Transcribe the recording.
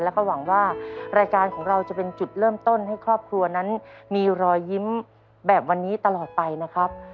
แล้วก็หวังว่ารายการของเราจะเป็นจุดเริ่มต้นให้ครอบครัวนั้นมีรอยยิ้มแบบวันนี้ตลอดไปนะครับ